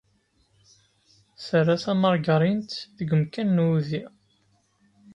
Terra tamargarint deg umkan n wudi.